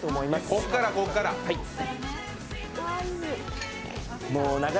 こっから、こっから。